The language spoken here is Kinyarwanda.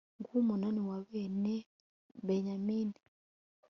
nguwo umunani wa bene benyamini